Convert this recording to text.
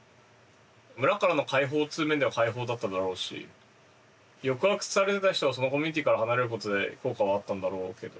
ムラからの解放っつう面では解放だっただろうし抑圧されてた人はそのコミュニティーから離れることで効果はあったんだろうけど。